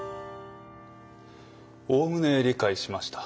おおむね理解しました。